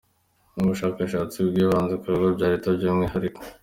Ubu bushakashatsi bwibanze ku bigo bya Leta by’umwihariko.